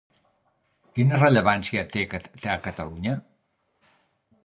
Quina rellevància té a Catalunya?